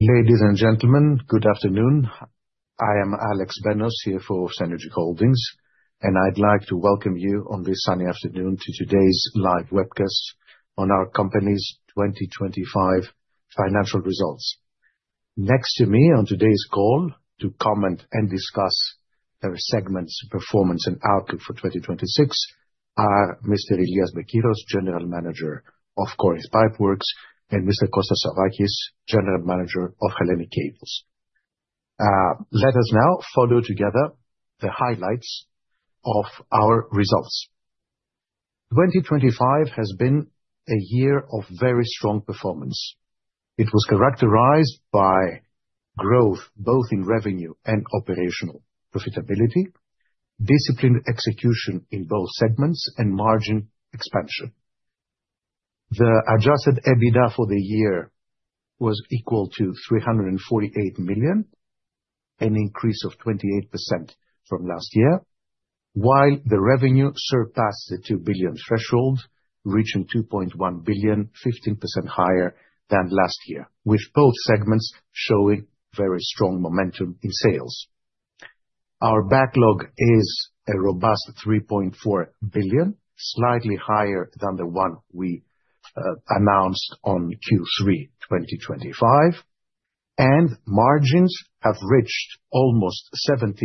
Ladies and gentlemen, good afternoon. I am Alex Benos, CFO of Cenergy Holdings. I'd like to welcome you on this sunny afternoon to today's live webcast on our company's 2025 financial results. Next to me on today's call to comment and discuss our segment's performance and outlook for 2026 are Mr. Ilias Bekiros, General Manager of Corinth Pipeworks, and Mr. Kostas Savvakis, General Manager of Hellenic Cables. Let us now follow together the highlights of our results. 2025 has been a year of very strong performance. It was characterized by growth both in revenue and operational profitability, disciplined execution in both segments and margin expansion. The Adjusted EBITDA for the year was equal to 348 million, an increase of 28% from last year, while the revenue surpassed the 2 billion threshold, reaching 2.1 billion, 15% higher than last year, with both segments showing very strong momentum in sales. Our backlog is a robust 3.4 billion, slightly higher than the one we announced on Q3 2025, and margins have reached almost 17%,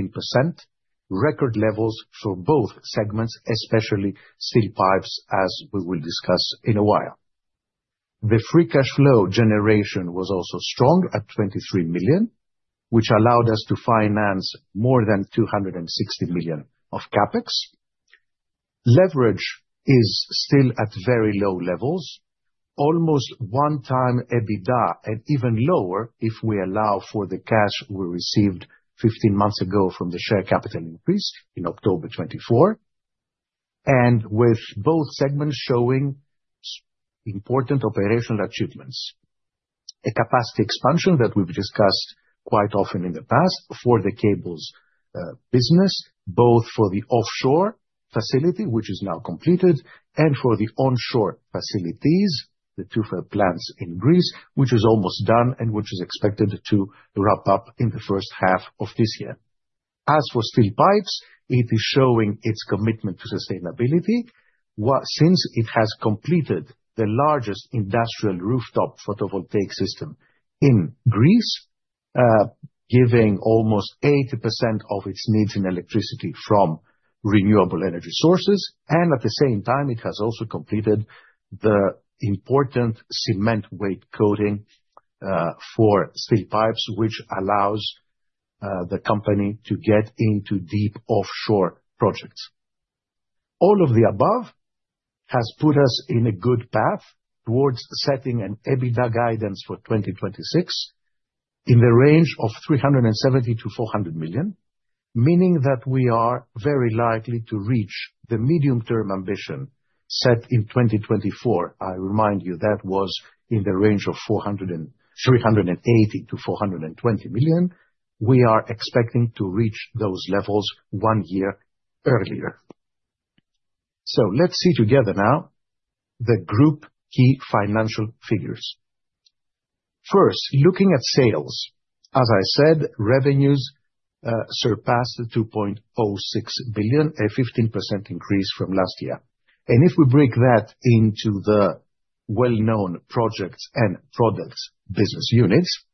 record levels for both segments, especially Steel Pipes, as we will discuss in a while. The free cash flow generation was also strong at 23 million, which allowed us to finance more than 260 million of CapEx. Leverage is still at very low levels, almost 1x EBITDA, and even lower if we allow for the cash we received 15 months ago from the share capital increase in October 2024. With both segments showing important operational achievements. A capacity expansion that we've discussed quite often in the past for the cables business, both for the offshore facility, which is now completed, and for the onshore facilities, the two Thiva plants in Greece, which is almost done and which is expected to wrap up in the first half of this year. As for Steel Pipes, it is showing its commitment to sustainability, since it has completed the largest industrial rooftop photovoltaic system in Greece, giving almost 80% of its needs in electricity from renewable energy sources. At the same time, it has also completed the important concrete weight coating for Steel Pipes, which allows the company to get into deep offshore projects. All of the above has put us in a good path towards setting an EBITDA guidance for 2026 in the range of 370 million-400 million, meaning that we are very likely to reach the medium-term ambition set in 2024. I remind you that was in the range of 380 million-420 million. We are expecting to reach those levels one year earlier. Let's see together now the group key financial figures. First, looking at sales. As I said, revenues surpassed 2.06 billion, a 15% increase from last year. If we break that into the well-known Projects and Products business units,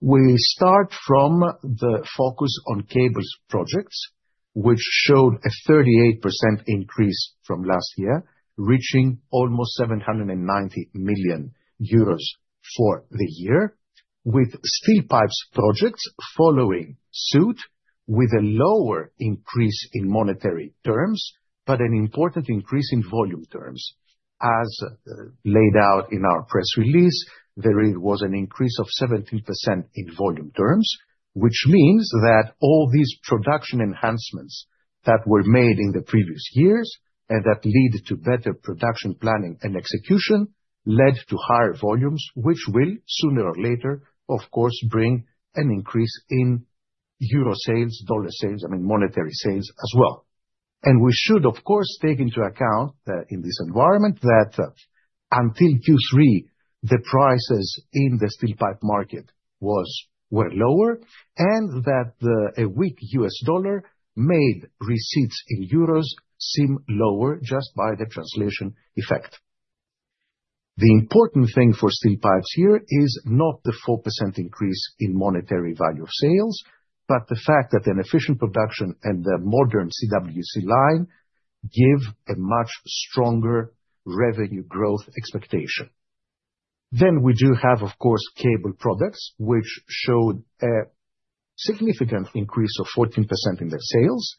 we start from the focus on cables projects, which showed a 38% increase from last year, reaching almost 790 million euros for the year, with Steel Pipes projects following suit with a lower increase in monetary terms, but an important increase in volume terms. As laid out in our press release, there really was an increase of 17% in volume terms, which means that all these production enhancements that were made in the previous years and that lead to better production planning and execution led to higher volumes, which will sooner or later, of course, bring an increase in euro sales, dollar sales, I mean monetary sales as well. We should, of course, take into account in this environment that until Q3, the prices in the Steel Pipe market were lower and that a weak U.S. dollar made receipts in euros seem lower just by the translation effect. The important thing for Steel Pipes here is not the 4% increase in monetary value of sales, but the fact that an efficient production and the modern CWC line give a much stronger revenue growth expectation. We do have, of course, cable products, which showed a significant increase of 14% in their sales.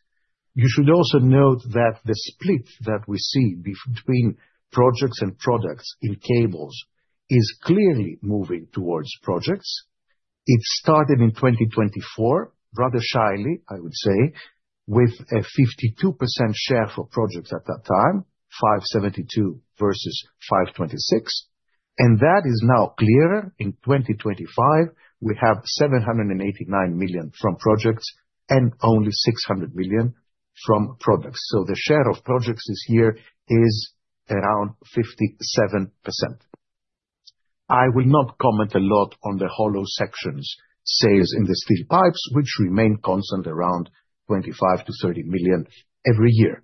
You should also note that the split that we see between Projects and Products in cables is clearly moving towards projects. It started in 2024, rather shyly, I would say, with a 52% share for projects at that time, 572 million versus 526 million. That is now clearer. In 2025, we have 789 million from projects and only 600 million from products. The share of projects this year is around 57%. I will not comment a lot on the Hollow sections sales in the Steel Pipes, which remain constant around 25 million-30 million every year.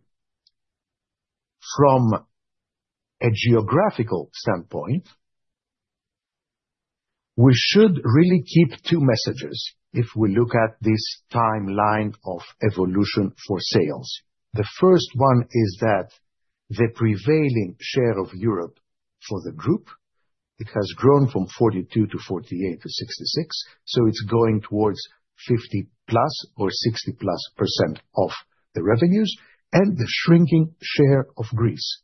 From a geographical standpoint, we should really keep two messages if we look at this timeline of evolution for sales. The first one is that the prevailing share of Europe for the group, it has grown from 42% to 48% to 66%, so it's going towards 50%+ or 60%+ of the revenues and the shrinking share of Greece.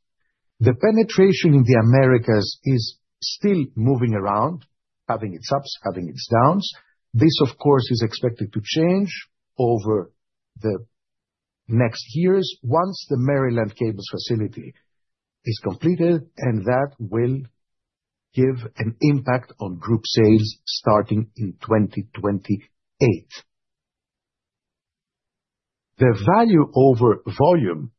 The penetration in the Americas is still moving around, having its ups, having its downs. This, of course, is expected to change over the next years once the Maryland Cables facility is completed, and that will give an impact on group sales starting in 2028. The value over volume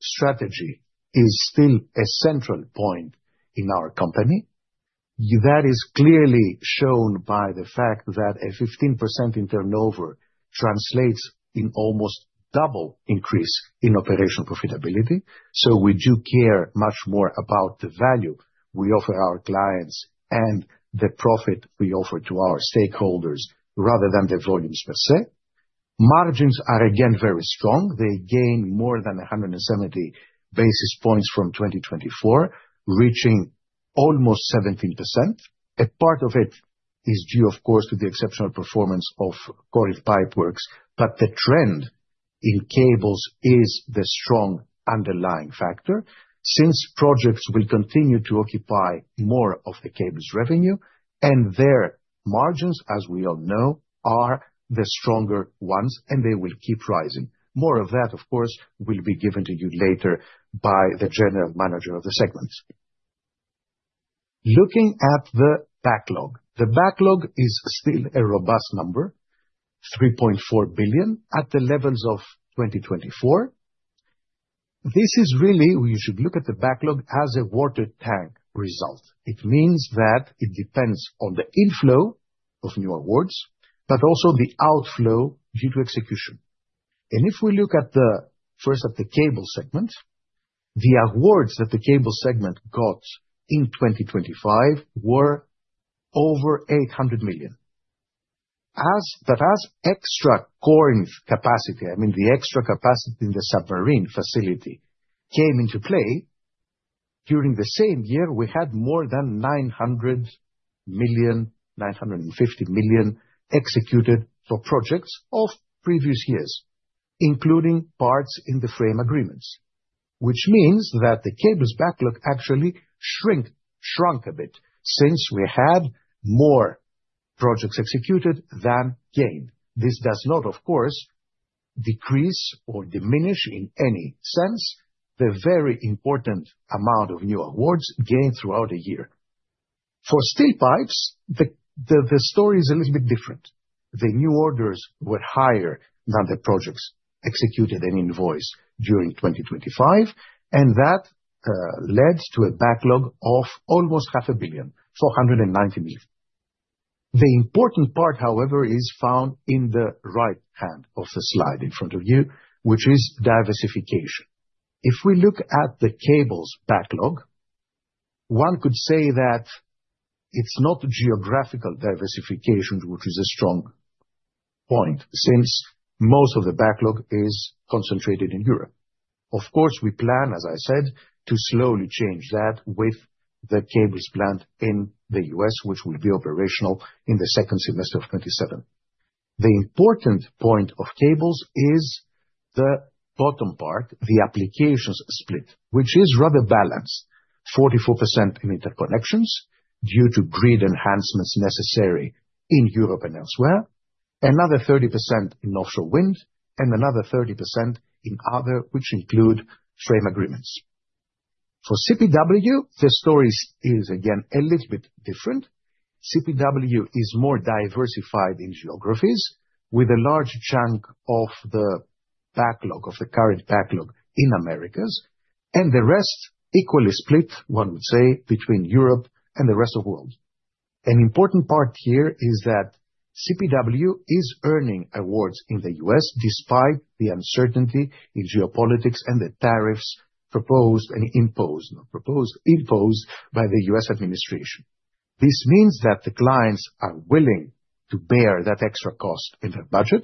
strategy is still a central point in our company. That is clearly shown by the fact that a 15% in turnover translates in almost double increase in operational profitability. We do care much more about the value we offer our clients and the profit we offer to our stakeholders rather than the volumes per se. Margins are again very strong. They gain more than 170 basis points from 2024, reaching almost 17%. A part of it is due, of course, to the exceptional performance of Corinth Pipeworks, but the trend in cables is the strong underlying factor. Projects will continue to occupy more of the cables revenue and their margins, as we all know, are the stronger ones, and they will keep rising. More of that, of course, will be given to you later by the general manager of the segments. Looking at the backlog. The backlog is still a robust number, 3.4 billion at the levels of 2024. This is really, we should look at the backlog as a water tank result. It means that it depends on the inflow of new awards, but also the outflow due to execution. If we look at the, first, at the Cable segment, the awards that the Cable segment got in 2025 were over 800 million. As extra Corinth capacity, I mean, the extra capacity in the submarine facility came into play. During the same year we had more than 900 million, 950 million executed for projects of previous years, including parts in the framework agreements, which means that the cables backlog actually shrunk a bit since we had more projects executed than gained. This does not, of course, decrease or diminish in any sense, the very important amount of new awards gained throughout a year. For Steel Pipes, the story is a little bit different. The new orders were higher than the projects executed and invoiced during 2025. That, uh, led to a backlog of almost 500 million, 490 million. The important part, however, is found in the right hand of the slide in front of you, which is diversification. If we look at the cables backlog, one could say that it's not geographical diversification which is a strong point, since most of the backlog is concentrated in Europe. We plan, as I said, to slowly change that with the cables plant in the U.S., which will be operational in the second semester of 2027. The important point of cables is the bottom part, the applications split, which is rather balanced, 44% in interconnections due to grid enhancements necessary in Europe and elsewhere, another 30% in offshore wind and another 30% in other, which include framework agreements. For CPW, the stories is again a little bit different. CPW is more diversified in geographies, with a large chunk of the backlog, of the current backlog in Americas and the rest equally split, one would say, between Europe and the rest of world. An important part here is that CPW is earning awards in the U.S. despite the uncertainty in geopolitics and the tariffs proposed and imposed, not proposed, imposed by the U.S. administration. This means that the clients are willing to bear that extra cost in their budget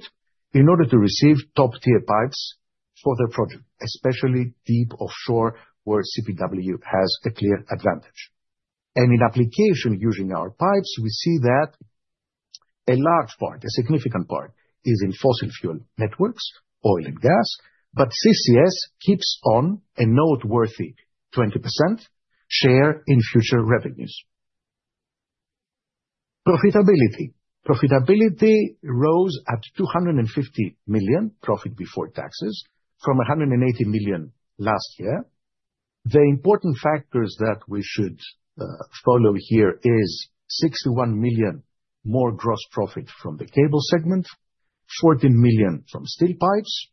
in order to receive top-tier pipes for their project, especially deep offshore, where CPW has a clear advantage. In application using our pipes, we see that a large part, a significant part, is in fossil fuel networks, oil and gas, but CCS keeps on a noteworthy 20% share in future revenues. Profitability. Profitability rose at 250 million profit before taxes from 180 million last year. The important factors that we should follow here is 61 million more gross profit from the Cable segment, 14 million from Steel Pipes.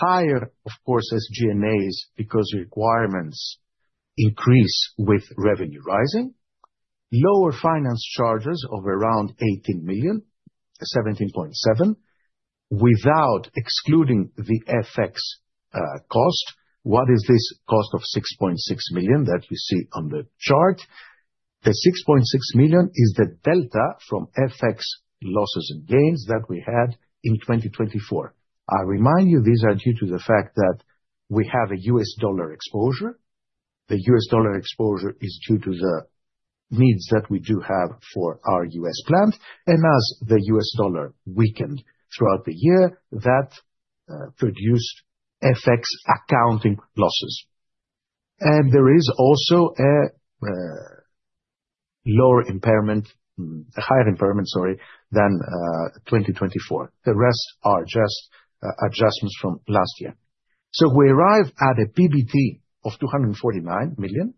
Higher, of course, SG&As because requirements increase with revenue rising. Lower finance charges of around 18 million, 17.7 million, without excluding the FX cost. What is this cost of 6.6 million that we see on the chart? The 6.6 million is the delta from FX losses and gains that we had in 2024. I remind you, these are due to the fact that we have a U.S. dollar exposure. The U.S. dollar exposure is due to the needs that we do have for our U.S. plant. As the U.S. dollar weakened throughout the year, that produced FX accounting losses. There is also a higher impairment, sorry, than 2024. The rest are just adjustments from last year. We arrive at a PBT of 249 million,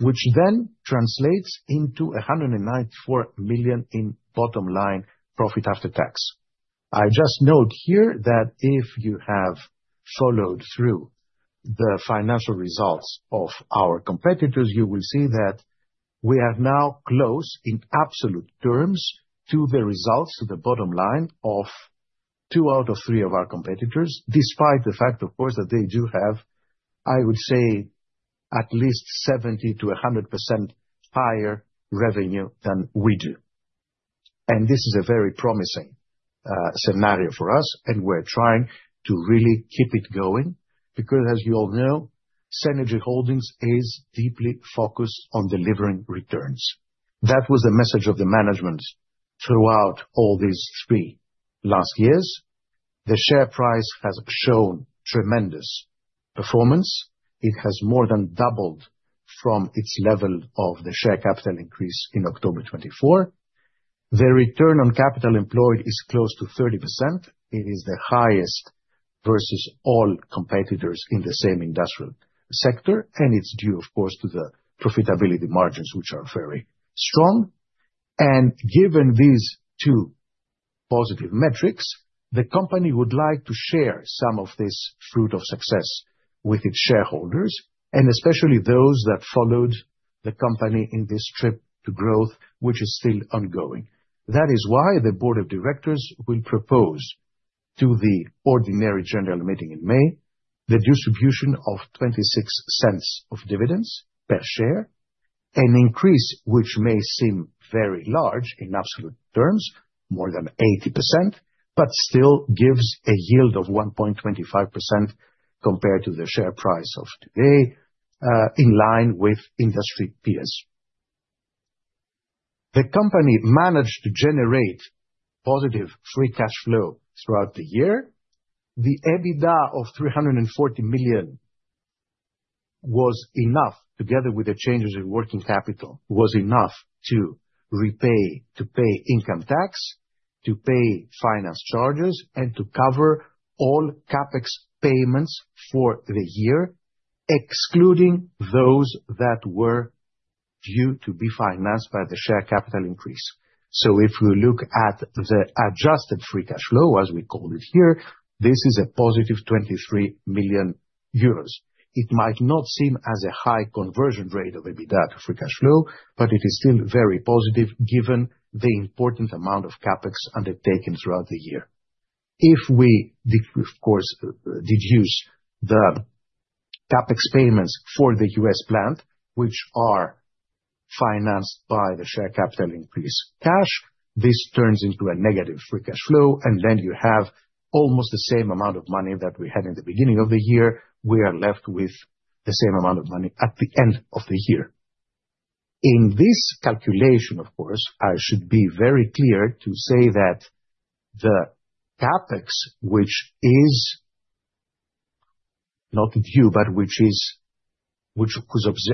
which then translates into 194 million in bottom line profit after tax. I just note here that if you have followed through the financial results of our competitors, you will see that we are now close in absolute terms to the results, to the bottom line of 2/3 of our competitors, despite the fact, of course, that they do have, I would say, at least 70%-100% higher revenue than we do. This is a very promising scenario for us, and we're trying to really keep it going because as you all know, Cenergy Holdings is deeply focused on delivering returns. That was the message of the management throughout all these 3 last years. The share price has shown tremendous performance. It has more than doubled from its level of the share capital increase in October 2024. The return on capital employed is close to 30%. It is the highest versus all competitors in the same industrial sector. It's due, of course, to the profitability margins, which are very strong. Given these two positive metrics, the company would like to share some of this fruit of success with its shareholders, and especially those that followed the company in this trip to growth, which is still ongoing. That is why the board of directors will propose to the ordinary general meeting in May, the distribution of 0.26 of dividends per share, an increase which may seem very large in absolute terms, more than 80%, still gives a yield of 1.25% compared to the share price of today in line with industry peers. The company managed to generate positive free cash flow throughout the year. The EBITDA of 340 million was enough, together with the changes in working capital, was enough to repay, to pay income tax, to pay finance charges, and to cover all CapEx payments for the year, excluding those that were due to be financed by the share capital increase. If we look at the adjusted free cash flow, as we call it here, this is a +23 million euros. It might not seem as a high conversion rate of EBITDA free cash flow, but it is still very positive given the important amount of CapEx undertaken throughout the year. If we of course, deduce the CapEx payments for the U.S. plant, which are financed by the share capital increase cash, this turns into a negative free cash flow, and then you have almost the same amount of money that we had in the beginning of the year. We are left with the same amount of money at the end of the year. In this calculation, of course, I should be very clear to say that the CapEx, which is not due, but which is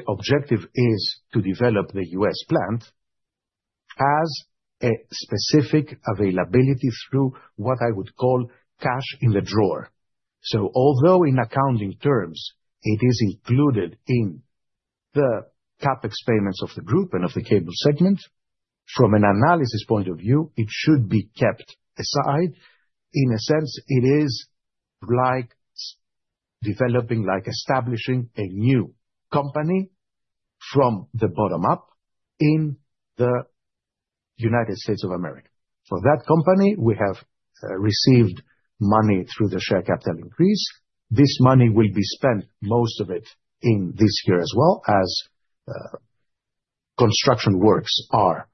objective is to develop the U.S. plant, has a specific availability through what I would call cash in the drawer. Although in accounting terms, it is included in the CapEx payments of the group and of the Cable segment, from an analysis point of view, it should be kept aside. In a sense, it is like establishing a new company from the bottom up in the United States of America. For that company, we have received money through the share capital increase. This money will be spent, most of it, in this year as well as construction works are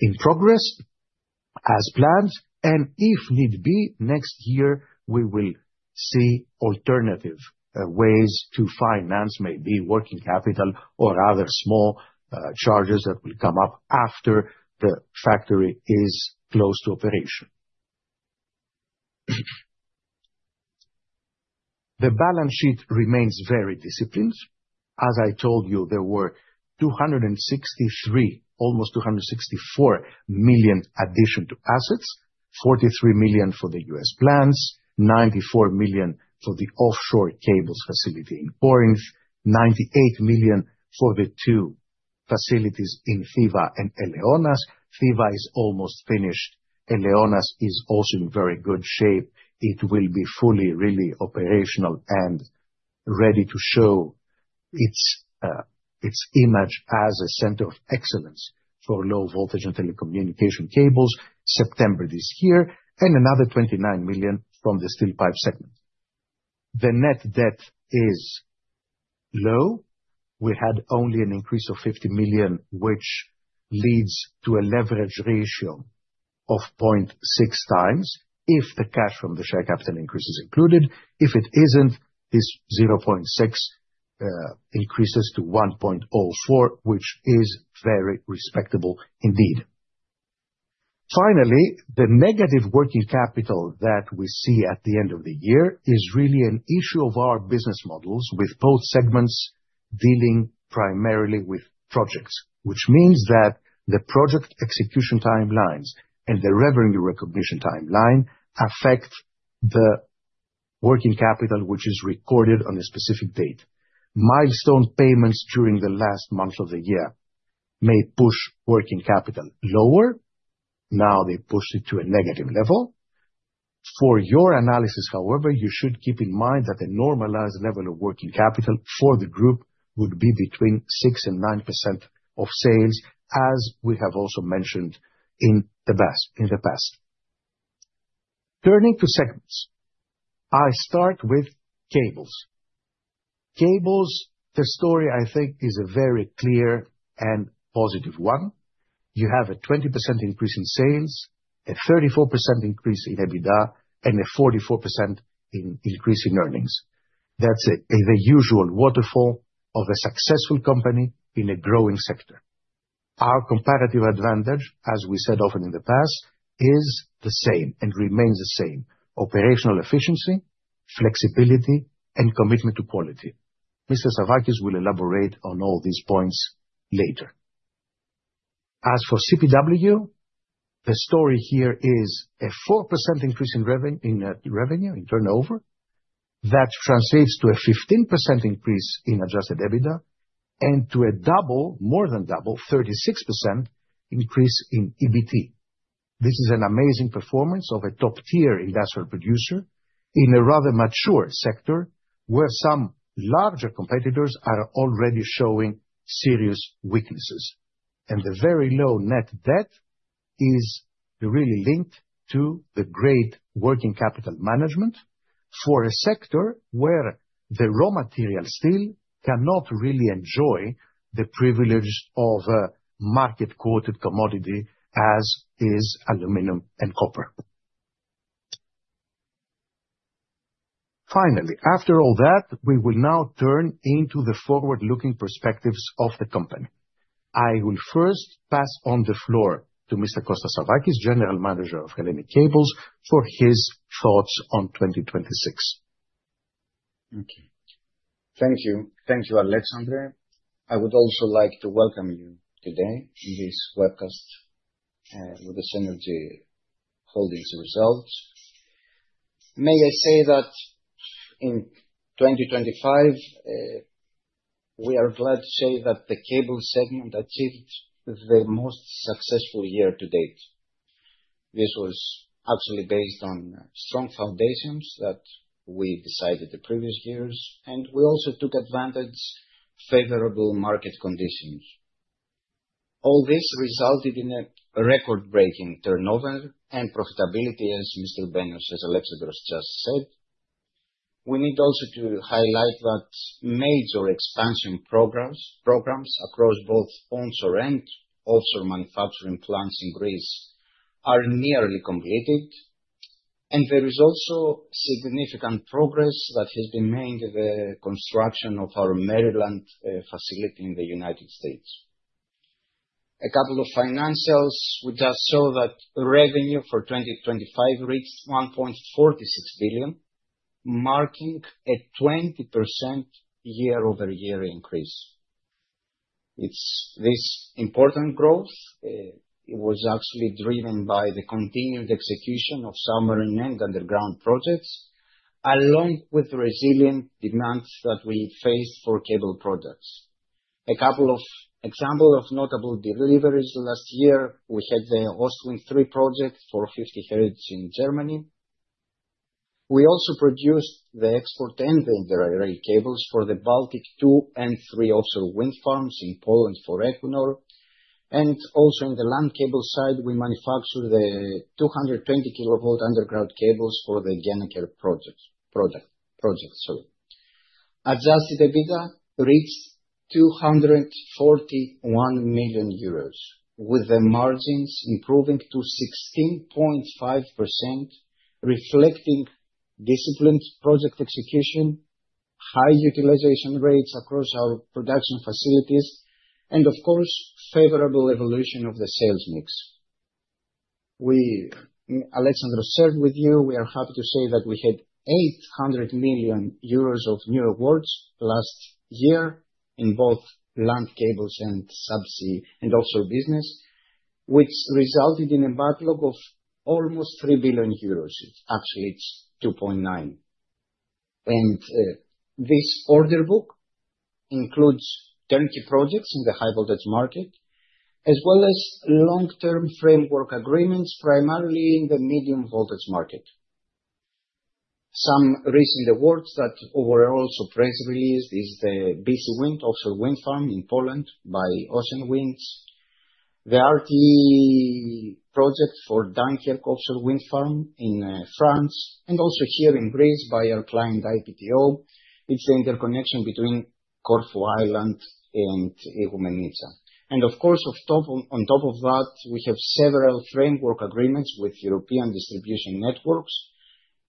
in progress as planned, and if need be, next year we will see alternative ways to finance, maybe working capital or other small charges that will come up after the factory is close to operation. The balance sheet remains very disciplined. As I told you, there were 263, almost 264 million addition to assets. 43 million for the U.S. plants, 94 million for the offshore cables facility in Orange, 98 million for the two facilities in Thiva and Eleonas. Thiva is almost finished. Eleonas is also in very good shape. It will be fully really operational and ready to show its image as a center of excellence for low voltage and telecommunication cables, September this year, and another 29 million from the steel Pipe segment. The net debt is low. We had only an increase of 50 million, which leads to a leverage ratio of 0.6x if the cash from the share capital increase is included. If it isn't, this 0.6x increases to 1.04x, which is very respectable indeed. Finally, the negative working capital that we see at the end of the year is really an issue of our business models, with both segments dealing primarily with projects. Which means that the project execution timelines and the revenue recognition timeline affect the working capital, which is recorded on a specific date. Milestone payments during the last month of the year may push working capital lower. They push it to a negative level. For your analysis, however, you should keep in mind that the normalized level of working capital for the group would be between 6% and 9% of sales, as we have also mentioned in the past. Turning to segments. I start with cables. Cables, the story I think is a very clear and positive one. You have a 20% increase in sales, a 34% increase in EBITDA, and a 44% increase in earnings. That's it. The usual waterfall of a successful company in a growing sector. Our comparative advantage, as we said often in the past, is the same and remains the same: operational efficiency, flexibility and commitment to quality. Mr. Savvakis will elaborate on all these points later. As for CPW, the story here is a 4% increase in revenue, in turnover. That translates to a 15% increase in Adjusted EBITDA and to a double, more than double, 36% increase in EBT. This is an amazing performance of a top-tier industrial producer in a rather mature sector where some larger competitors are already showing serious weaknesses. The very low net debt is really linked to the great working capital management for a sector where the raw material, steel, cannot really enjoy the privilege of a market quoted commodity, as is aluminum and copper. Finally, after all that, we will now turn into the forward-looking perspectives of the company. I will first pass on the floor to Mr. Kostas Savvakis, General Manager of Hellenic Cables, for his thoughts on 2026. Okay. Thank you. Thank you, Alexandros. I would also like to welcome you today in this webcast with the Cenergy Holdings results. May I say that in 2025, we are glad to say that the Cable segment achieved the most successful year to date. This was actually based on strong foundations that we decided the previous years, we also took advantage, favorable market conditions. All this resulted in a record-breaking turnover and profitability, as Mr. Benos Alexandros just said. We need also to highlight that major expansion programs across both onshore and offshore manufacturing plants in Greece are nearly completed, there is also significant progress that has been made with the construction of our Maryland facility in the United States. A couple of financials. We just saw that revenue for 2025 reached 1.46 billion, marking a 20% YoY increase. It's this important growth, it was actually driven by the continued execution of submarine and underground projects, along with resilient demands that we face for cable products. A couple of example of notable deliveries last year, we had the Ostwind 3 project for 50Hertz in Germany. We also produced the export end of the array cables for the Bałtyk 2 and Bałtyk 3 offshore wind farms in Poland for Equinor. Also in the land cable side, we manufacture the 220 kV underground cables for the Gennaker Projects. Project, sorry. Adjusted EBITDA reached 241 million euros, with the margins improving to 16.5%, reflecting disciplined project execution, high utilization rates across our production facilities, and of course, favorable evolution of the sales mix. We, Alexandros shared with you, we are happy to say that we had 800 million euros of new awards last year. In both land cables and subsea, and also business, which resulted in a backlog of almost 3 billion euros. Actually, it's 2.9 billion. This order book includes turnkey projects in the high voltage market, as well as long-term framework agreements, primarily in the medium voltage market. Some recent awards that were also press released is the BC-Wind offshore wind farm in Poland by Ocean Winds. The RTE project for Fécamp offshore wind farm in France and also here in Greece by our client, IPTO. It's the interconnection between Corfu Island and Igoumenitsa. Of course, on top of that, we have several framework agreements with European distribution networks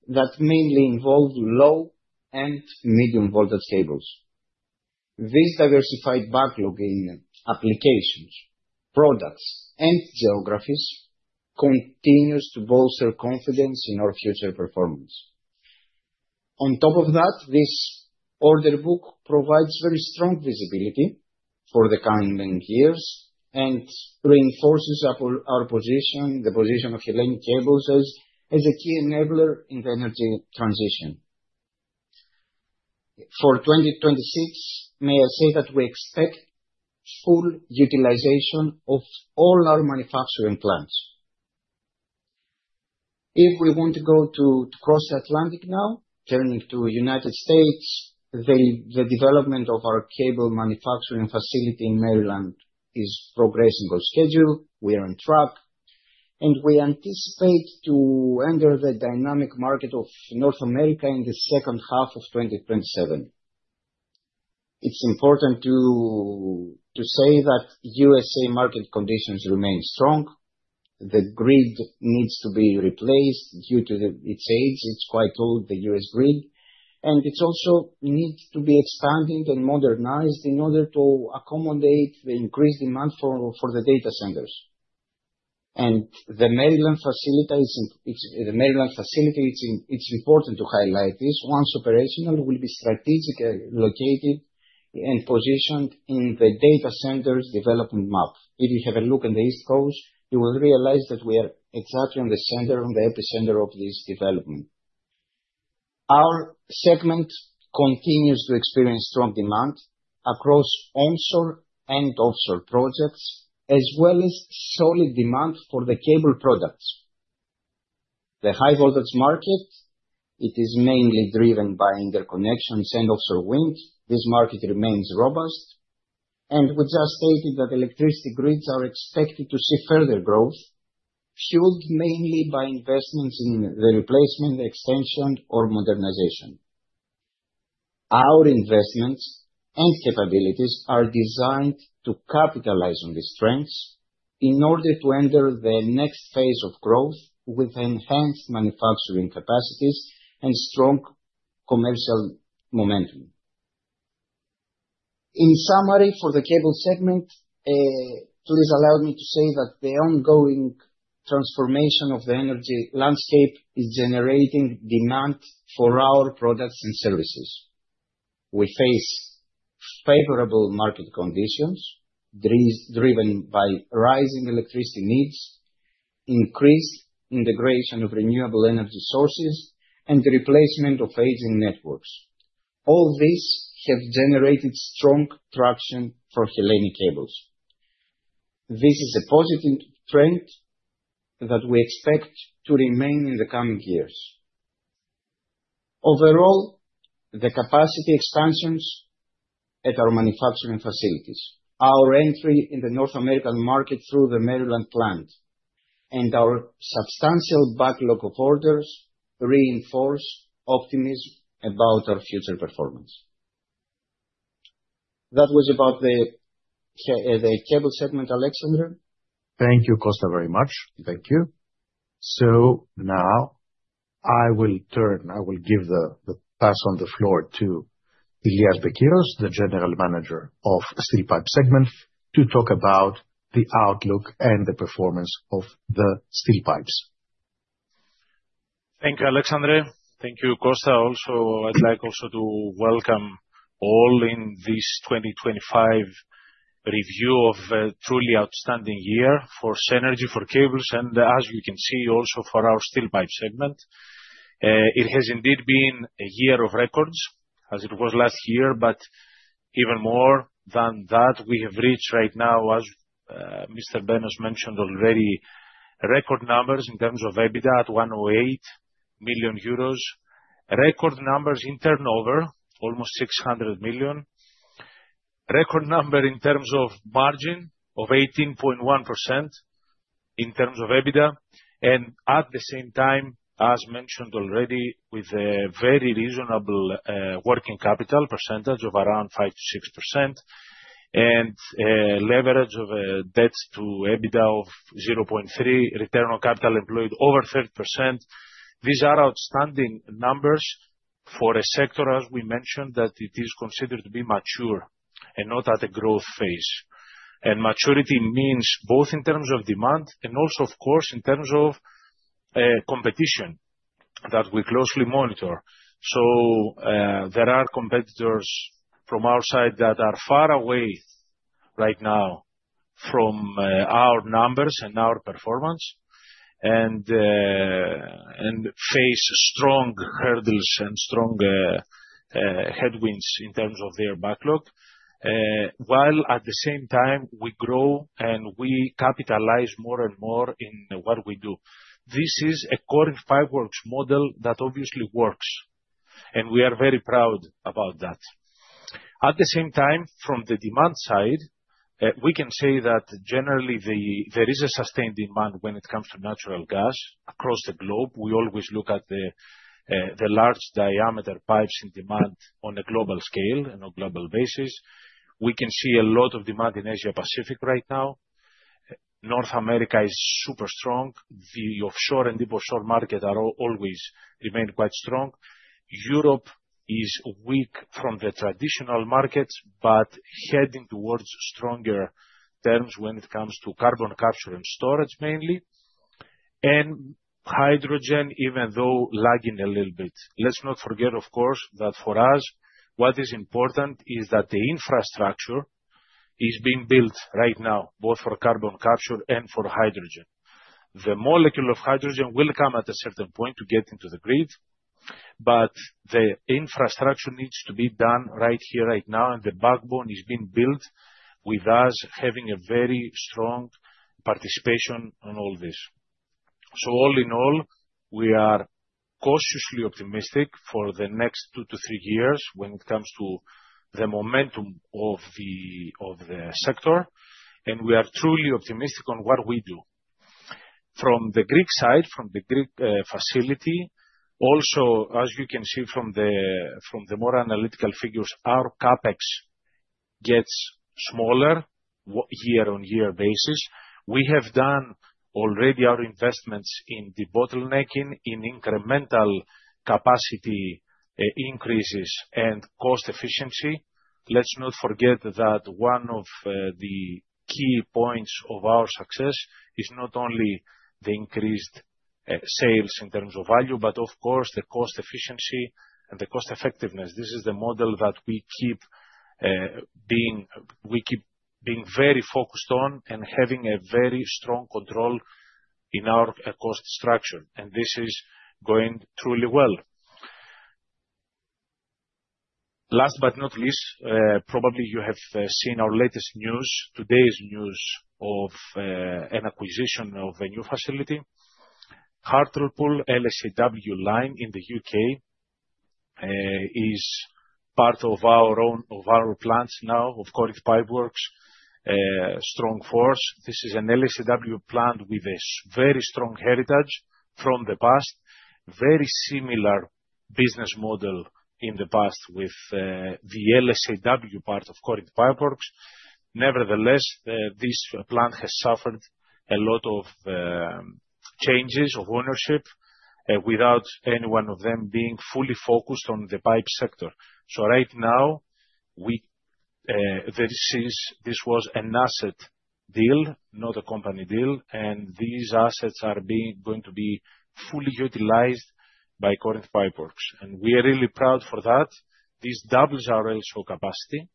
that mainly involve low and medium voltage cables. This diversified backlog in applications, products, and geographies continues to bolster confidence in our future performance. On top of that, this order book provides very strong visibility for the coming years and reinforces our position, the position of Hellenic Cables as a key enabler in the energy transition. For 2026, may I say that we expect full utilization of all our manufacturing plants. We want to go to cross Atlantic now, turning to United States, the development of our cable manufacturing facility in Maryland is progressing on schedule. We are on track, we anticipate to enter the dynamic market of North America in the second half of 2027. It's important to say that U.S.A. market conditions remain strong. The grid needs to be replaced due to its age. It's quite old, the U.S. grid, it also needs to be expanded and modernized in order to accommodate the increased demand for the data centers. The Maryland facility, it's important to highlight this. Once operational, will be strategically located and positioned in the data center's development map. If you have a look in the East Coast, you will realize that we are exactly in the center, on the epicenter of this development. Our segment continues to experience strong demand across onshore and offshore projects, as well as solid demand for the cable products. The high voltage market, it is mainly driven by interconnections and also wind. This market remains robust, and we just stated that electricity grids are expected to see further growth, fueled mainly by investments in the replacement, extension, or modernization. Our investments and capabilities are designed to capitalize on these strengths in order to enter the next phase of growth with enhanced manufacturing capacities and strong commercial momentum. In summary, for the Cable segment, please allow me to say that the ongoing transformation of the energy landscape is generating demand for our products and services. We face favorable market conditions driven by rising electricity needs, increased integration of renewable energy sources, and the replacement of aging networks. All these have generated strong traction for Hellenic Cables. This is a positive trend that we expect to remain in the coming years. Overall, the capacity expansions at our manufacturing facilities, our entry in the North American market through the Maryland plant, and our substantial backlog of orders reinforce optimism about our future performance. That was about the Cable segment, Alexandros. Thank you, Kostas, very much. Thank you. Now I will turn, I will give the pass on the floor to Ilias Bekiros, the General Manager of the Steel Pipes segment, to talk about the outlook and the performance of the Steel Pipes. Thank you, Alexandros. Thank you, Kostas, also. I'd like also to welcome all in this 2025 review of a truly outstanding year for Cenergy, for Cables, and as you can see, also for our Steel Pipes segment. It has indeed been a year of records, as it was last year. Even more than that, we have reached right now, as Mr. Benos mentioned already, record numbers in terms of EBITDA at 108 million euros. Record numbers in turnover, almost 600 million. Record number in terms of margin of 18.1% in terms of EBITDA. At the same time, as mentioned already, with a very reasonable working capital percentage of around 5%-6%. Leverage of debts to EBITDA of 0.3x, return on capital employed over 30%. These are outstanding numbers for a sector, as we mentioned, that it is considered to be mature and not at a growth phase. Maturity means both in terms of demand and also, of course, in terms of competition that we closely monitor. There are competitors from our side that are far away right now from our numbers and our performance. And face strong hurdles and strong headwinds in terms of their backlog. While at the same time we grow and we capitalize more and more in what we do. This is a Corinth Pipeworks model that obviously works, and we are very proud about that. At the same time, from the demand side, we can say that generally there is a sustained demand when it comes to natural gas across the globe. We always look at the large diameter pipes in demand on a global scale and on global basis. We can see a lot of demand in Asia Pacific right now. North America is super strong. The offshore and deep offshore market always remain quite strong. Europe is weak from the traditional markets, but heading towards stronger terms when it comes to carbon capture and storage, mainly. Hydrogen, even though lagging a little bit. Let's not forget, of course, that for us, what is important is that the infrastructure is being built right now, both for carbon capture and for hydrogen. The molecule of hydrogen will come at a certain point to get into the grid, but the infrastructure needs to be done right here, right now, and the backbone is being built with us having a very strong participation on all this. All in all, we are cautiously optimistic for the next 2 to 3 years when it comes to the momentum of the sector, and we are truly optimistic on what we do. From the Greek side, from the Greek facility, also, as you can see from the more analytical figures, our CapEx gets smaller year-on-year basis. We have done already our investments in the bottlenecking, in incremental capacity increases and cost efficiency. Let's not forget that one of the key points of our success is not only the increased sales in terms of value, but of course, the cost efficiency and the cost effectiveness. This is the model that we keep being very focused on and having a very strong control in our cost structure, and this is going truly well. Last but not least, probably you have seen our latest news, today's news of an acquisition of a new facility. Hartlepool LSAW line in the U.K., is part of our own, of our plants now, of Corinth Pipeworks, strong force. This is an LSAW plant with a very strong heritage from the past. Very similar business model in the past with the LSAW part of Corinth Pipeworks. This plant has suffered a lot of changes of ownership, without any one of them being fully focused on the pipe sector. This was an asset deal, not a company deal, and these assets are going to be fully utilized by Corinth Pipeworks, and we are really proud for that. This doubles our ratio capacity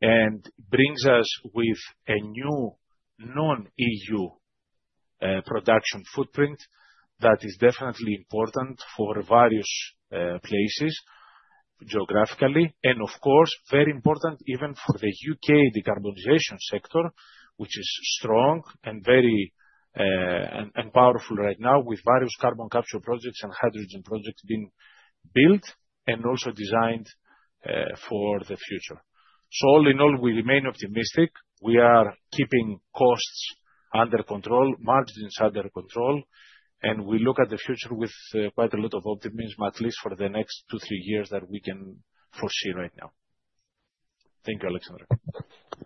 and brings us with a new non-EU production footprint that is definitely important for various places geographically, and of course, very important even for the U.K., the carbonization sector, which is strong and powerful right now with various carbon capture projects and hydrogen projects being built and also designed for the future. All in all, we remain optimistic. We are keeping costs under control, margins under control, and we look at the future with quite a lot of optimism, at least for the next two, three years that we can foresee right now. Thank you, Alexandros.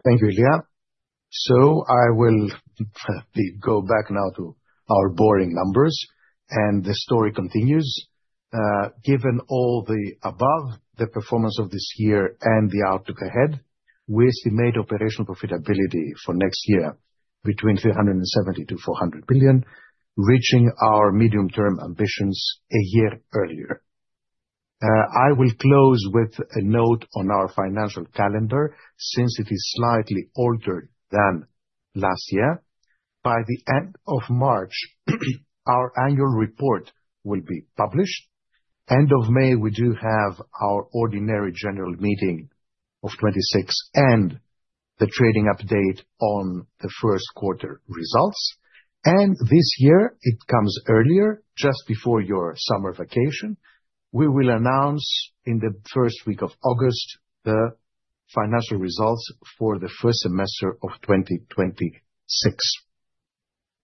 Thank you, Ilias. I will go back now to our boring numbers, and the story continues. Given all the above, the performance of this year and the outlook ahead, we estimate operational profitability for next year between 370 billion-400 billion, reaching our medium-term ambitions a year earlier. I will close with a note on our financial calendar since it is slightly altered than last year. By the end of March, our annual report will be published. End of May, we do have our ordinary general meeting of 26th, and the trading update on the first quarter results. This year, it comes earlier, just before your summer vacation. We will announce in the first week of August the financial results for the first semester of 2026.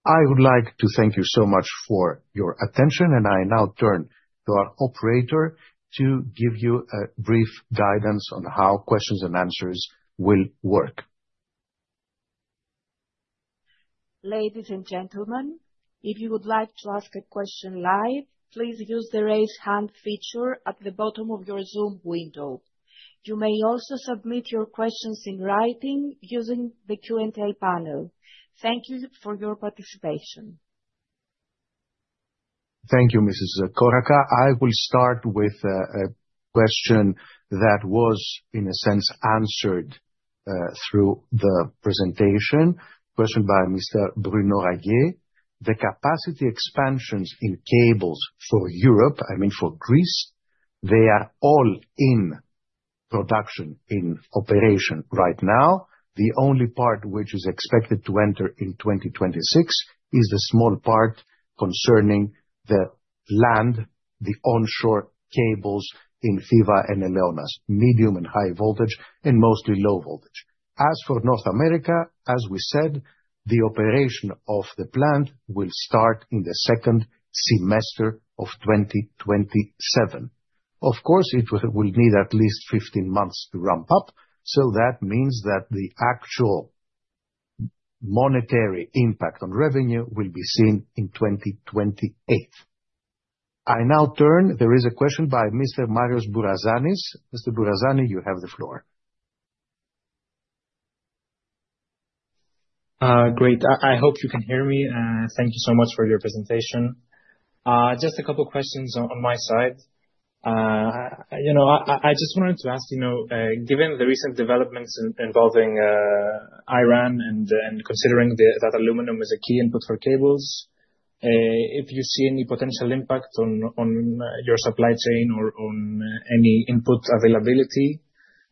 I would like to thank you so much for your attention, and I now turn to our operator to give you a brief guidance on how questions and answers will work. Ladies and gentlemen, if you would like to ask a question live, please use the Raise Hand feature at the bottom of your Zoom window. You may also submit your questions in writing using the Q&A panel. Thank you for your participation. Thank you, [Mrs. Koraka]. I will start with a question that was, in a sense, answered through the presentation. Question by Mr. [Bruno Dane]. The capacity expansions in cables for Europe, I mean for Greece, they are all in production in operation right now. The only part which is expected to enter in 2026 is the small part concerning the land, the onshore cables in Thiva and Eleonas, medium and high voltage, and mostly low voltage. For North America, as we said, the operation of the plant will start in the second semester of 2027. It will need at least 15 months to ramp up, that means that the actual monetary impact on revenue will be seen in 2028. There is a question by Mr. Marios Bourazanis. Mr. Bourazanis, you have the floor. Great. I hope you can hear me. Thank you so much for your presentation. Just a couple questions on my side. You know, I just wanted to ask, you know, given the recent developments involving Iran and considering that aluminum is a key input for cables, if you see any potential impact on your supply chain or on any input availability,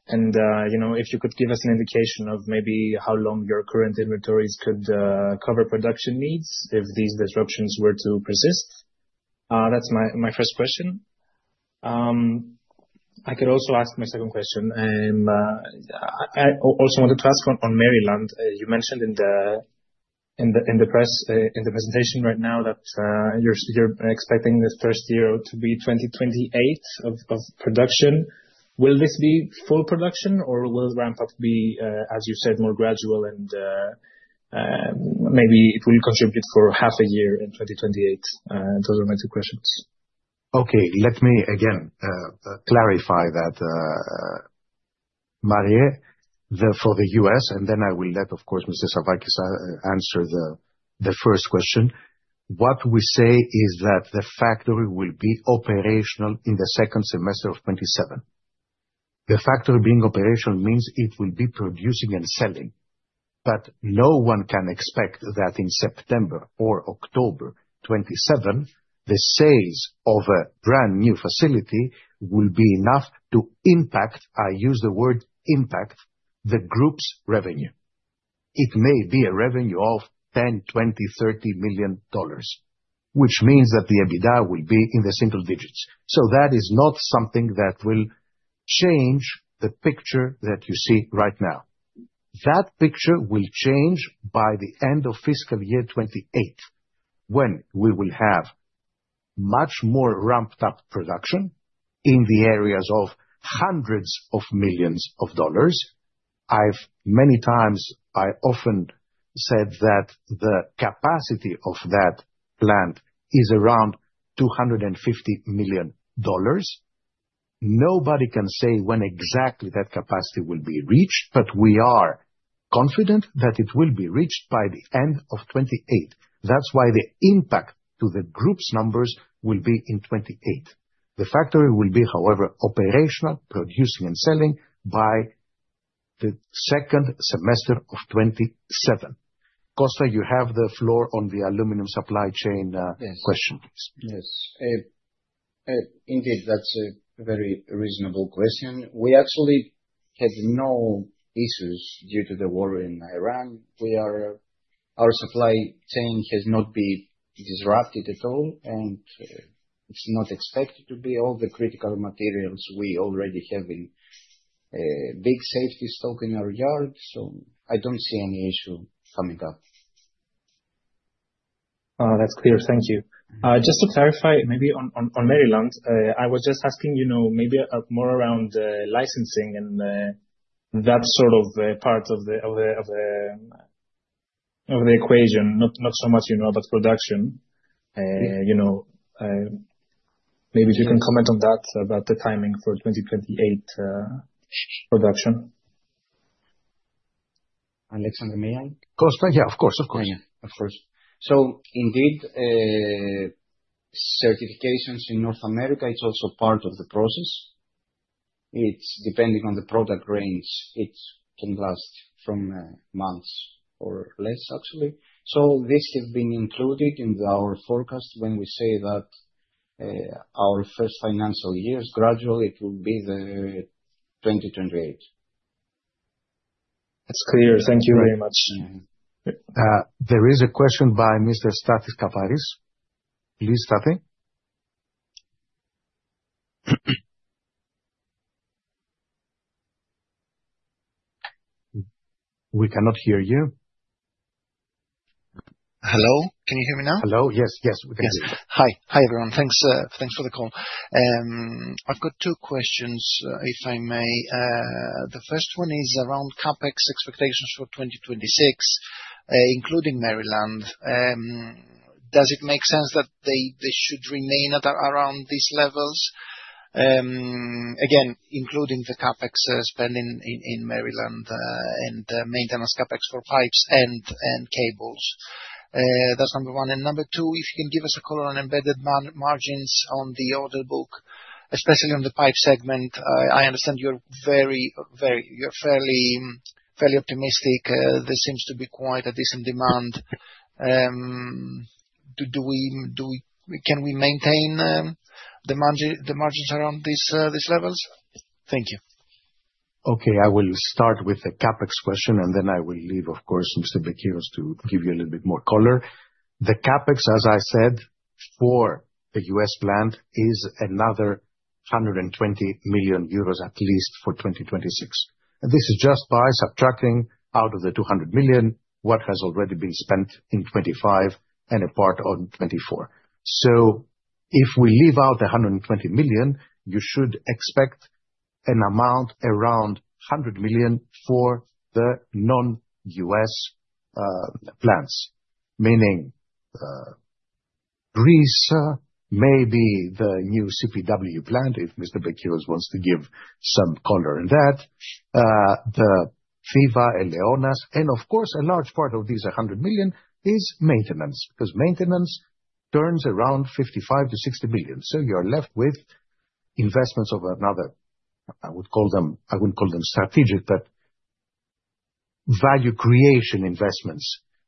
and, you know, if you could give us an indication of maybe how long your current inventories could cover production needs if these disruptions were to persist. That's my first question. I could also ask my second question. I also wanted to ask on Maryland, you mentioned in the press in the presentation right now that you're expecting the first year to be 2028 of production. Will this be full production, or will ramp up be as you said, more gradual and maybe it will contribute for half a year in 2028? Those are my two questions. Let me again clarify that Marios, for the U.S., and then I will let, of course, Mr. Savvakis answer the first question. What we say is that the factory will be operational in the second semester of 2027. The factory being operational means it will be producing and selling. No one can expect that in September or October 2027, the sales of a brand-new facility will be enough to impact, I use the word impact, the group's revenue. It may be a revenue of $10 million, $20 million, $30 million, which means that the EBITDA will be in the single digits. That is not something that will change the picture that you see right now. That picture will change by the end of fiscal year 2028, when we will have much more ramped up production in the areas of hundreds of millions of dollars. I've many times, I often said that the capacity of that plant is around $250 million. Nobody can say when exactly that capacity will be reached, but we are confident that it will be reached by the end of 2028. That's why the impact to the group's numbers will be in 2028. The factory will be, however, operational, producing, and selling by the second semester of 2027. Kostas, you have the floor on the aluminum supply chain, Yes. question, please. Yes. Indeed, that's a very reasonable question. We actually have no issues due to the war in Iran. Our supply chain has not been disrupted at all, and it's not expected to be. All the critical materials we already have in big safety stock in our yard, so I don't see any issue coming up. That's clear thank you. Just to clarify, maybe on Maryland, I was just asking, you know, maybe more around licensing and that sort of part of the equation, not so much production. You know, maybe if you can comment on that, about the timing for 2028 production. Alex Benos, may I? Kostas. Yeah, of course. Of course. Yeah, yeah. Of course. Indeed, certifications in North America, it's also part of the process. It's depending on the product range, it can last from months or less actually. This has been included in our forecast when we say that, our first financial year is gradually, it will be the 2028. It's clear. Thank you very much. Mm-hmm. There is a question by Mr. Stathis Kaparis. Please, Stathis. We cannot hear you. Hello? Can you hear me now? Hello? Yes. Yes. We can hear you. Yes. Hi, everyone. Thanks, thanks for the call. I've got two questions, if I may. The first one is around CapEx expectations for 2026, including Maryland. Does it make sense that they should remain around these levels? Again, including the CapEx spending in Maryland, and the maintenance CapEx for pipes and cables. That's number 1. Number 2, if you can give us a call on embedded margins on the order book, especially on the Pipe segment. I understand you're very... You're fairly optimistic. There seems to be quite a decent demand. Can we maintain the margins around these levels? Thank you. Okay, I will start with the CapEx question, and then I will leave, of course, Mr. Bekiros to give you a little bit more color. The CapEx, as I said, for the U.S. plant, is another 120 million euros at least for 2026. This is just by subtracting out of the 200 million, what has already been spent in 2025 and a part of 2024. If we leave out the 120 million, you should expect an amount around 100 million for the non-U.S. plants. Meaning, Greece, maybe the new CPW plant, if Mr. Bekiros wants to give some color on that. The Thiva, Eleonas, and of course, a large part of this 100 million is maintenance, because maintenance turns around 55 million-60 million. You are left with investments of another, I would call them, I wouldn't call them strategic, but value creation investments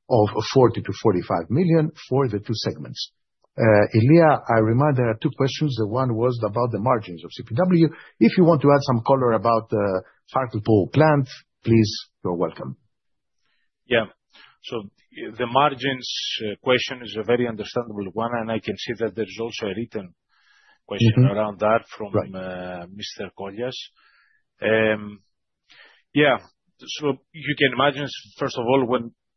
of 40 million-45 million for the two segments. Ilias, I remind there are two questions. One was about the margins of CPW. If you want to add some color about the Hartlepool plant, please, you're welcome. The margins question is a very understandable one, and I can see that there is also a written question around that from Mr. [Kolias]. You can imagine, first of all,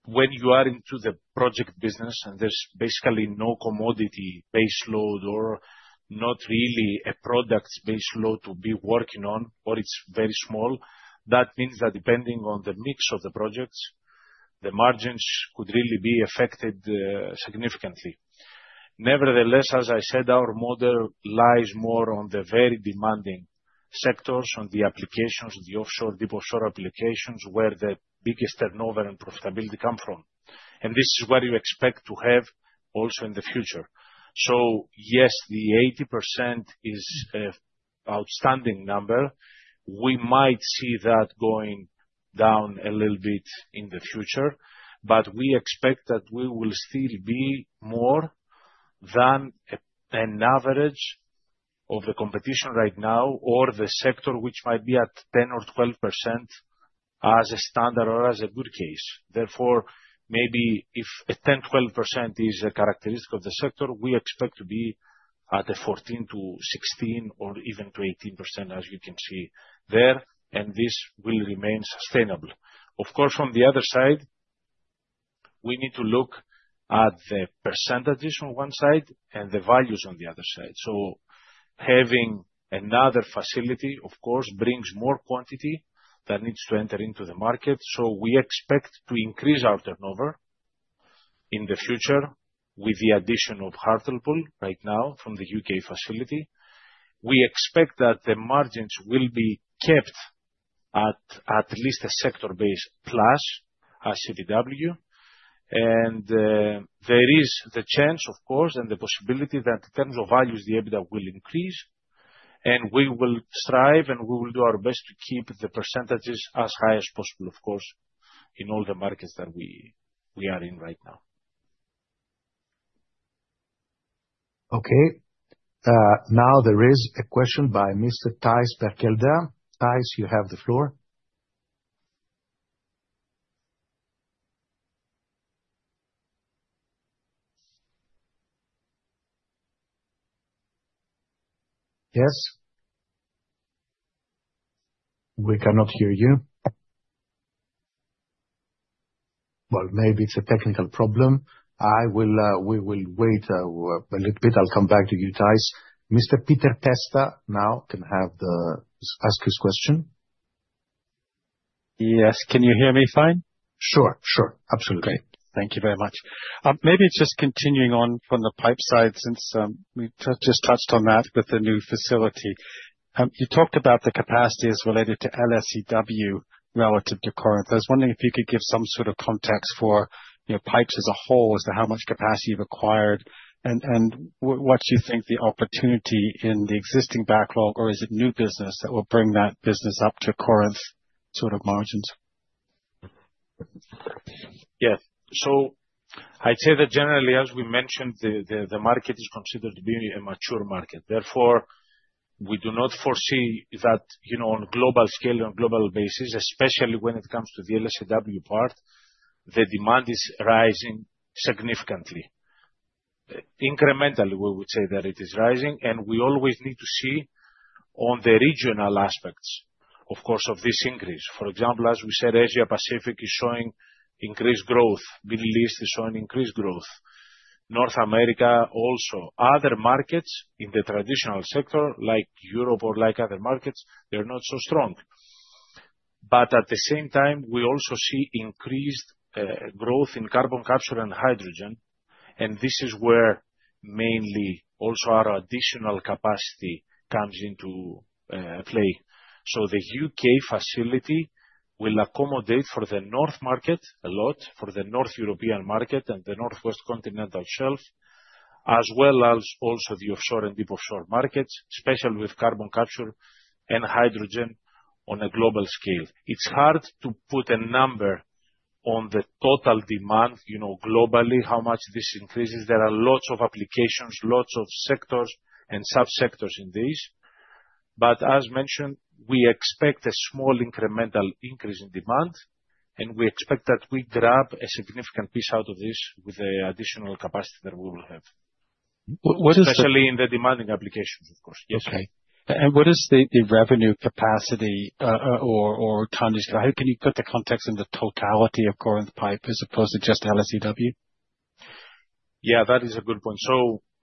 when you are into the project business and there's basically no commodity base load or not really a product base load to be working on, or it's very small, that means that depending on the mix of the projects, the margins could really be affected significantly. Nevertheless, as I said, our model lies more on the very demanding sectors, on the applications, the offshore, deepshore applications, where the biggest turnover and profitability come from. This is what you expect to have also in the future. Yes, the 80% is outstanding number. We might see that going down a little bit in the future, but we expect that we will still be more than an average of the competition right now, or the sector, which might be at 10% or 12% as a standard or as a good case. Maybe if a 10%, 12% is a characteristic of the sector, we expect to be at a 14%-16% or even to 18%, as you can see there, and this will remain sustainable. From the other side, we need to look at the percentages on one side and the values on the other side. Having another facility, of course, brings more quantity that needs to enter into the market. We expect to increase our turnover in the future with the addition of Hartlepool right now from the U.K. facility. We expect that the margins will be kept at least a sector base plus our CPW. There is the chance, of course, and the possibility that in terms of values, the EBITDA will increase and we will strive, and we will do our best to keep the percentages as high as possible, of course, in all the markets that we are in right now. Okay. Now there is a question by Mr. Thijs Berkelder. Thijs, you have the floor. Yes? We cannot hear you. Well, maybe it's a technical problem. I will, we will wait a little bit. I'll come back to you, Thijs. Mr. Peter Testa now can ask his question. Yes. Can you hear me fine? Sure, sure. Absolutely. Great. Thank you very much. Maybe just continuing on from the pipe side since we just touched on that with the new facility. You talked about the capacity as related to LSAW relative to current. I was wondering if you could give some sort of context for, you know, pipes as a whole as to how much capacity you've acquired and what you think the opportunity in the existing backlog, or is it new business that will bring that business up to current sort of margins? I'd say that generally, as we mentioned, the market is considered to be a mature market. Therefore, we do not foresee that, you know, on a global scale, on a global basis, especially when it comes to the LSAW part, the demand is rising significantly. Incrementally, we would say that it is rising, and we always need to see on the regional aspects, of course, of this increase. For example, as we said, Asia Pacific is showing increased growth. Middle East is showing increased growth. North America also. Other markets in the traditional sector like Europe or like other markets, they're not so strong. At the same time, we also see increased growth in carbon capture and hydrogen, and this is where mainly also our additional capacity comes into play. The U.K. facility will accommodate for the North market a lot, for the North European market and the Northwest Continental Shelf, as well as also the offshore and deepshore markets, especially with carbon capture and hydrogen on a global scale. It's hard to put a number on the total demand, you know, globally, how much this increases. There are lots of applications, lots of sectors and sub-sectors in this. As mentioned, we expect a small incremental increase in demand, and we expect that we grab a significant piece out of this with the additional capacity that we will have. What is the? Especially in the demanding applications, of course. Yes. Okay. What is the revenue capacity, or tonnage? How can you put the context in the totality of Corinth Pipe, as opposed to just LSAW? Yeah, that is a good point.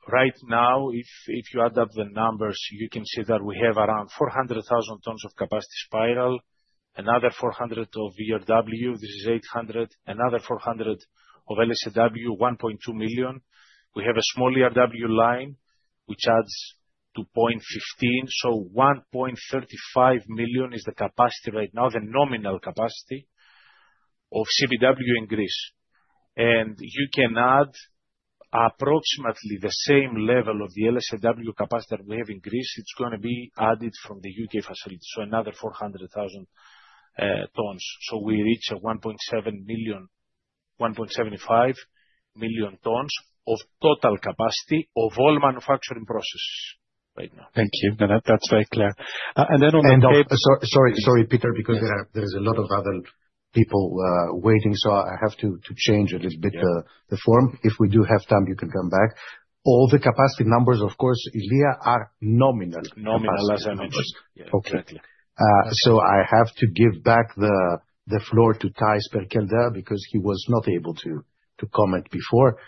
Right now, if you add up the numbers, you can see that we have around 400,000 tons of capacity spiral. Another 400 of ERW. This is 800. Another 400 of LSAW, 1.2 million. We have a small ERW line, which adds to 0.15. 1.35 million is the capacity right now, the nominal capacity of CPW in Greece. You can add approximately the same level of the LSAW capacity that we have in Greece. It's gonna be added from the U.K. facility, so another 400,000 tons. We reach 1.7 million, 1.75 million tons of total capacity of all manufacturing process right now. Thank you. No, no, that's very clear. Sorry, Peter, because there's a lot of other people waiting, so I have to change a little bit, the form. If we do have time, you can come back. All the capacity numbers, of course, Ilias, are nominal. Nominal, as I mentioned. Okay. I have to give back the floor to Thijs Berkelder, because he was not able to comment before.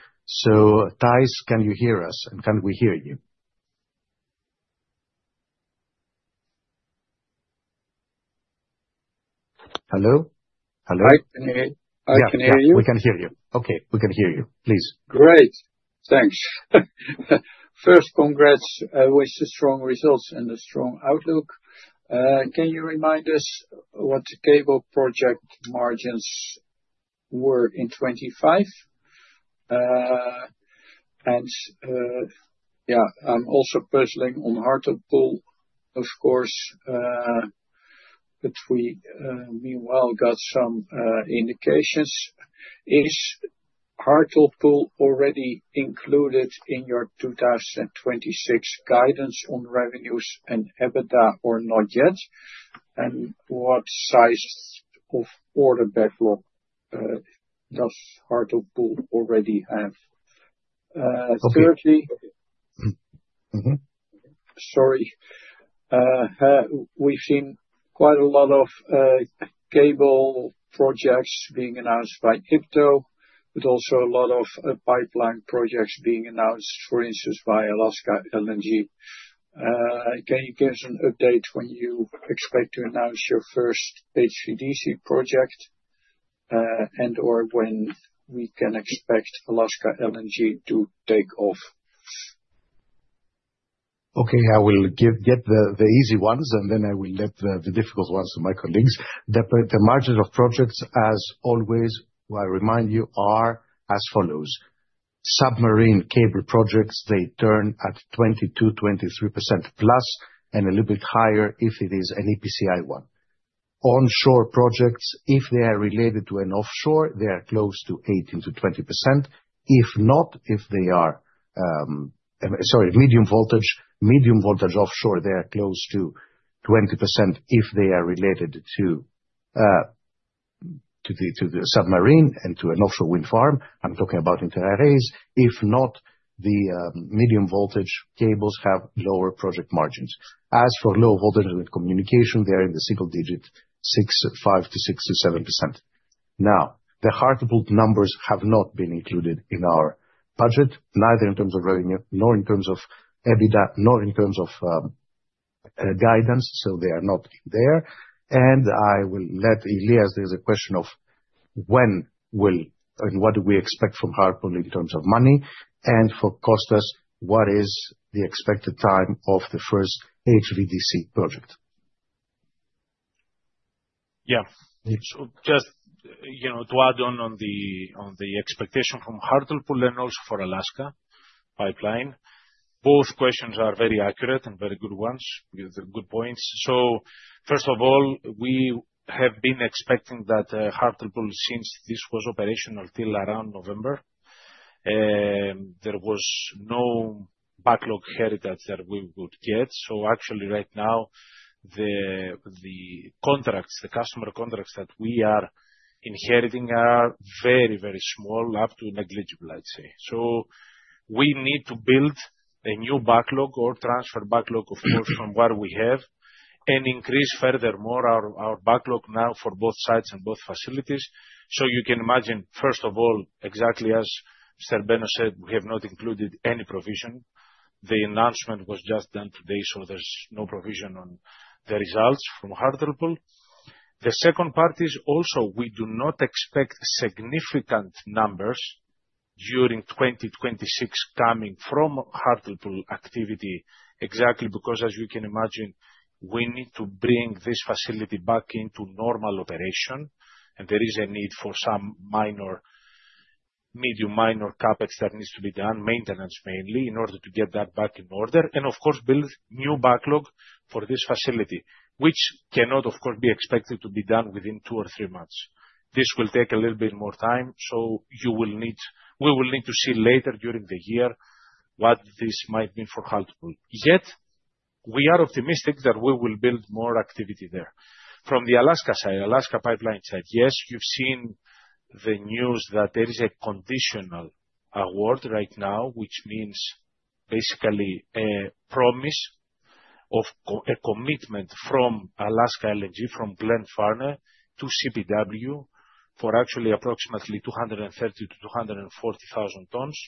Thijs, can you hear us, and can we hear you? Hello? Hello? Hi, I can hear you. Yeah, we can hear you. Okay, we can hear you. Please. Great. Thanks. First, congrats with the strong results and the strong outlook. Can you remind us what the cable project margins were in 2025? Yeah, I'm also puzzling on Hartlepool, of course, which we meanwhile got some indications. Is Hartlepool already included in your 2026 guidance on revenues and EBITDA, or not yet? And what size of order backlog does Hartlepool already have? Okay. Thirdly... Mm-hmm. Sorry. We've seen quite a lot of cable projects being announced by IPTO, but also a lot of pipeline projects being announced, for instance, by Alaska LNG. Can you give us an update when you expect to announce your first HVDC project, and/or when we can expect Alaska LNG to take off? Okay, I will get the easy ones, and then I will leave the difficult ones to my colleagues. The margin of projects, as always, what I remind you, are as follows: submarine cable projects, they turn at 20%-23% plus, and a little bit higher if it is an EPCI one. Onshore projects, if they are related to an offshore, they are close to 18%-20%. If not, if they are, sorry, medium voltage, medium voltage offshore, they are close to 20% if they are related to the submarine and to an offshore wind farm. I'm talking about inter arrays. If not, the medium voltage cables have lower project margins. As for low voltage and communication, they are in the single digit, 6%, 5% to 6% to 7%. The Hartlepool numbers have not been included in our budget, neither in terms of revenue, nor in terms of EBITDA, nor in terms of guidance. They are not there. I will let Ilias, there is a question of when will and what do we expect from Hartlepool in terms of money, and for Kostas, what is the expected time of the first HVDC project? Yeah. Yeah. Just, you know, to add on the, on the expectation from Hartlepool and also for Alaska Pipeline, both questions are very accurate and very good ones. These are good points. First of all, we have been expecting that Hartlepool, since this was operational till around November, there was no backlog heritage that we would get. Actually, right now, the contracts, the customer contracts that we are inheriting are very, very small, up to negligible, I'd say. We need to build a new backlog or transfer backlog of more from what we have and increase furthermore our backlog now for both sides and both facilities. You can imagine, first of all, exactly as Mr. Benos said, we have not included any provision. The announcement was just done today, so there's no provision on the results from Hartlepool. The second part is also we do not expect significant numbers during 2026 coming from Hartlepool activity, exactly because as you can imagine, we need to bring this facility back into normal operation, and there is a need for some minor, medium, minor CapEx that needs to be done, maintenance mainly, in order to get that back in order. Of course build new backlog for this facility, which cannot of course be expected to be done within 2 or 3 months. This will take a little bit more time. We will need to see later during the year what this might mean for Hartlepool. We are optimistic that we will build more activity there. From the Alaska side, Alaska pipeline side, yes, you've seen the news that there is a conditional award right now, which means basically a promise of a commitment from Alaska LNG, from Glenfarne to CPW, for actually approximately 230,000 tons-240,000 tons.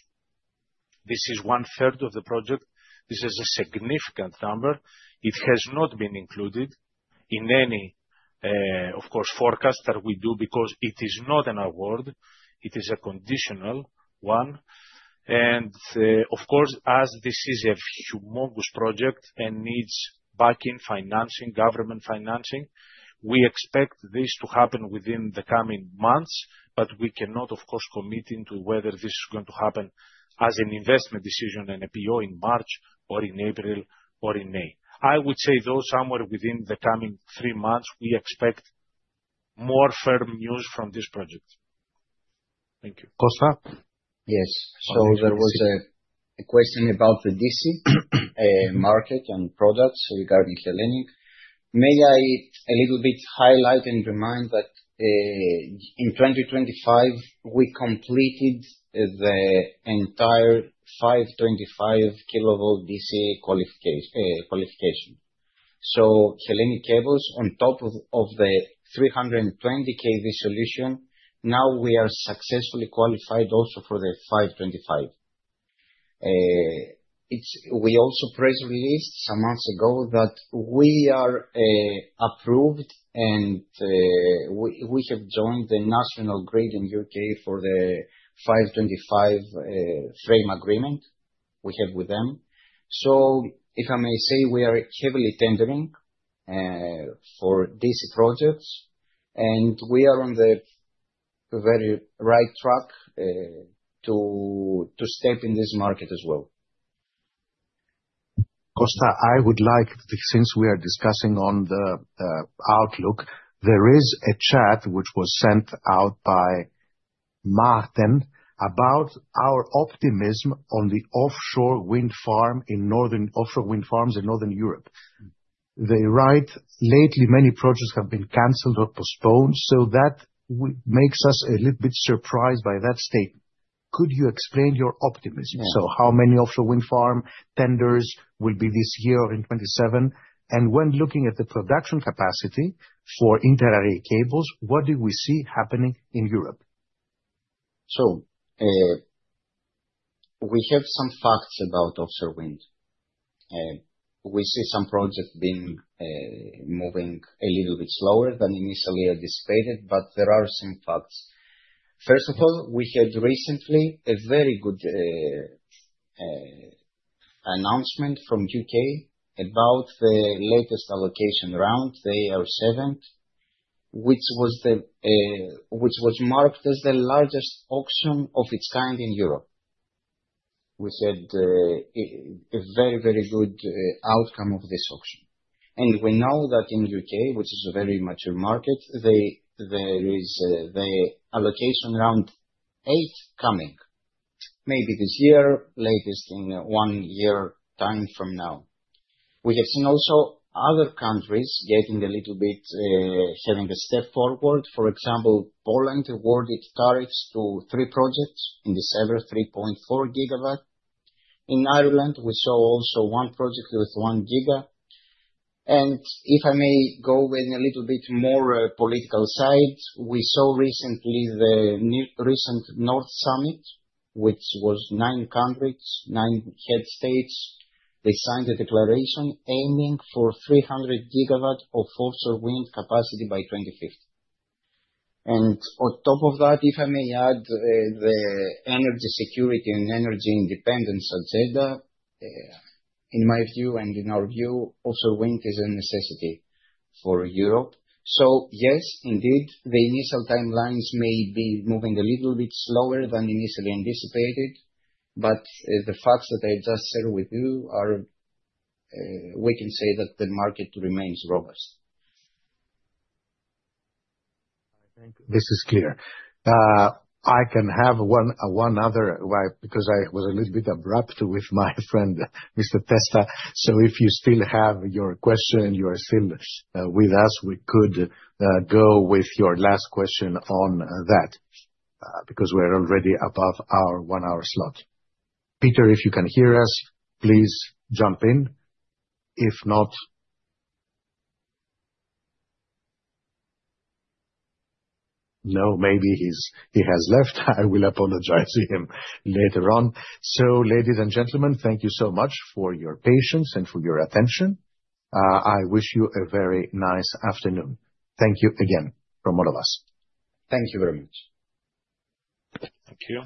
This is one third of the project. This is a significant number. It has not been included in any, of course, forecast that we do because it is not an award, it is a conditional one. Of course, as this is a humongous project and needs backing, financing, government financing, we expect this to happen within the coming months, but we cannot of course commit into whether this is going to happen as an investment decision and a PO in March or in April or in May. I would say, though, somewhere within the coming three months, we expect more firm news from this project. Thank you. Kostas? Yes. There was a question about the D.C. market and products regarding Hellenic. May I a little bit highlight and remind that in 2025 we completed the entire 525 kV D.C. qualification. Hellenic Cables, on top of the 320 kV solution, now we are successfully qualified also for the 525 kV. We also press released some months ago that we are approved and we have joined the National Grid in U.K. for the 525 frame agreement we have with them. If I may say, we are heavily tendering for these projects, and we are on the very right track to step in this market as well. Kostas, I would like, since we are discussing on the outlook, there is a chat which was sent out by Martin about our optimism on the offshore wind farms in Northern Europe. They write, "Lately, many projects have been canceled or postponed, so that makes us a little bit surprised by that statement. Could you explain your optimism? How many offshore wind farm tenders will be this year or in 2027? When looking at the production capacity for interarray cables, what do we see happening in Europe? We have some facts about offshore wind. We see some projects being moving a little bit slower than initially anticipated, but there are some facts. First of all, we had recently a very good announcement from U.K. about the latest allocation round, the AR7, which was marked as the largest auction of its kind in Europe. We said a very, very good outcome of this auction. We know that in U.K., which is a very mature market, there is the Allocation Round 8 coming, maybe this year, latest in 1 year time from now. We have seen also other countries getting a little bit having a step forward. For example, Poland awarded tariffs to 3 projects in December, 3.4 GW. In Ireland, we saw also 1 project with 1 GW. If I may go within a little bit more political side, we saw recently the new, recent North Sea Summit, which was 9 countries, 9 head states. They signed a declaration aiming for 300 GW of offshore wind capacity by 2050. On top of that, if I may add, the energy security and energy independence agenda, in my view and in our view, offshore wind is a necessity for Europe. Yes, indeed, the initial timelines may be moving a little bit slower than initially anticipated, but the facts that I just shared with you are, we can say that the market remains robust. I think this is clear. I can have one other because I was a little bit abrupt with my friend, Mr. Testa. If you still have your question, you are still with us, we could go with your last question on that because we're already above our one-hour slot. Peter, if you can hear us, please jump in. If not... No, maybe he has left. I will apologize to him later on. Ladies and gentlemen, thank you so much for your patience and for your attention. I wish you a very nice afternoon. Thank you again from all of us. Thank you very much. Thank you.